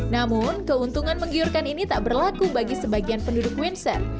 namun keuntungan menggiurkan ini tak berlaku bagi sebagian penduduk windsor